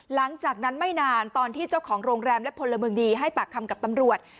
หลังจากนั้นไม่นานตอนที่เจ้าของโรงแรมและพลเมืองดีให้ปากคำกับตำรวจ